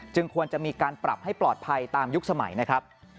ควรจะมีการปรับให้ปลอดภัยตามยุคสมัยนะครับ